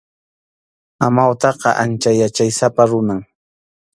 Amawtaqa ancha yachaysapa runam.